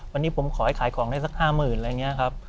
วันนี้ผมขอให้ขายของได้สัก๕๐๐๐อะไรอย่างนี้ครับ